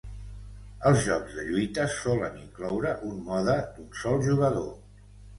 Els jocs de lluita solen incloure un mode d'un sol jugador.